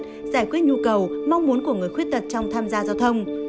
giải quyết nhu cầu mong muốn của người khuyết tật trong tham gia giao thông